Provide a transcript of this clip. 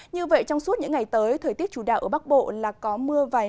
như vậy trong suốt những ngày tới thời tiết chủ đạo ở bắc bộ là có mưa vài nơi